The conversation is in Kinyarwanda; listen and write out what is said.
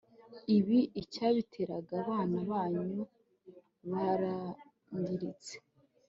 ibiri icyabiteraga Abana banyu barangiritse